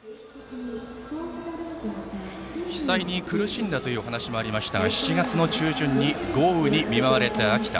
被災に苦しんだというお話もありましたが７月中旬に豪雨に見舞われた秋田。